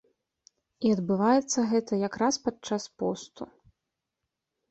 І адбываецца гэта якраз падчас посту.